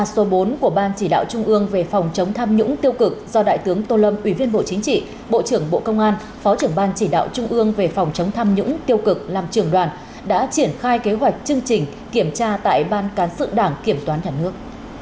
số bốn của ban chỉ đạo trung ương về phòng chống tham nhũng tiêu cực do đại tướng tô lâm ủy viên bộ chính trị bộ trưởng bộ công an phó trưởng ban chỉ đạo trung ương về phòng chống tham nhũng tiêu cực làm trưởng đoàn đã triển khai kế hoạch chương trình kiểm tra tại ban cán sự đảng kiểm toán nhà nước